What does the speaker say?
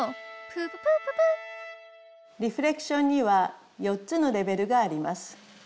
プーププーププリフレクションには４つのレベルがあります。